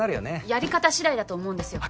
やり方しだいだと思うんですよ。